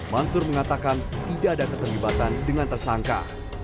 mansur mengatakan tidak ada keterlibatan dengan tersangka